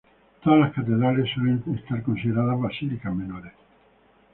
Todas las catedrales suelen ser consideradas basílicas menores.